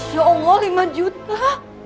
ya allah lima juta